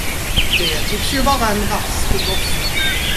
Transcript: Det tycks ju vara en rask gosse.